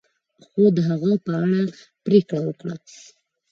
خو د هغه په اړه پریکړه وکړه.